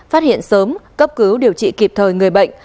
phát hiện sớm cấp cứu điều trị kịp thời người bệnh